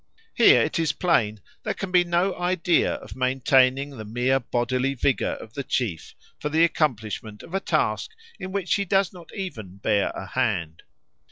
Here, it is plain, there can be no idea of maintaining the mere bodily vigour of the chief for the accomplishment of a task in which he does not even bear a hand.